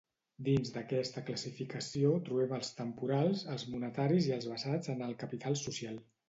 Dins d'aquesta classificació trobem els temporals, els monetaris i els basats en el capital social.